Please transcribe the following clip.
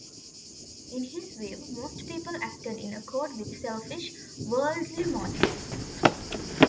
In his view, most people acted in accord with selfish, worldly motives.